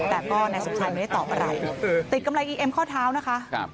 แต่ก็นายสมชายไม่ได้ตอบอะไรติดกำไรอีเอ็มข้อเท้านะคะ